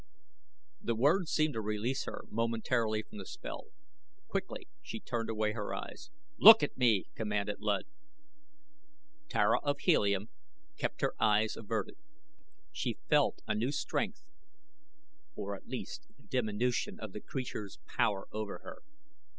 The words seemed to release her momentarily from the spell. Quickly she turned away her eyes. "Look at me!" commanded Luud. Tara of Helium kept her eyes averted. She felt a new strength, or at least a diminution of the creature's power over her.